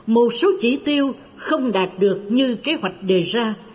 một số chỉ tiêu không đạt được như kế hoạch đề ra